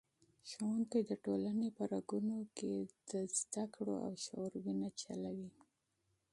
استاد د ټولني په رګونو کي د علم او شعور وینه چلوي.